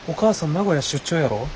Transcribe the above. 名古屋出張やろ？